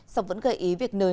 sọc vẫn gợi ý việc nới